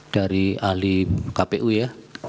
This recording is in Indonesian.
dari ahli kpu ya